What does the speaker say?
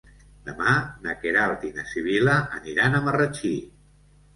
Demà na Queralt i na Sibil·la aniran a Marratxí.